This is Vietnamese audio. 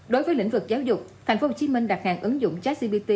đối với lĩnh vực giáo dục tp hcm đặt hàng ứng dụng chatgpt